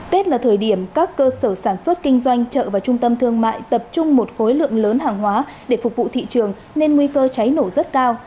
tết là thời điểm các cơ sở sản xuất kinh doanh chợ và trung tâm thương mại tập trung một khối lượng lớn hàng hóa để phục vụ thị trường nên nguy cơ cháy nổ rất cao